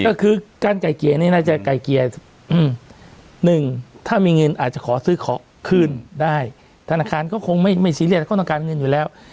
ก็คือการไก่เกลี่ยนี่น่าจะไก่เกลี่ยหนึ่งถ้ามีเงินอาจจะขอซื้อของคืนได้ธนาคารก็คงไม่ซีเรียสเขาต้องการเงินอยู่แล้ว